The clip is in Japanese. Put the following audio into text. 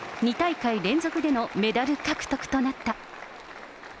２大会連続でのメダル獲得となった。